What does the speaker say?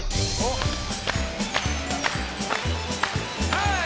はい！